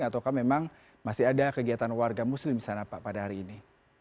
ataukah memang masih ada kegiatan warga muslim di sana pak pada hari ini